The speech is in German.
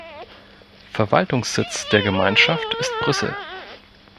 Verwaltungssitz der Gemeinschaft ist Brüssel.